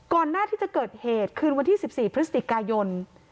หน้าที่จะเกิดเหตุคืนวันที่๑๔พฤศจิกายน